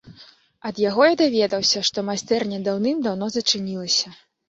Ад яго я даведаўся, што майстэрня даўным-даўно зачынілася.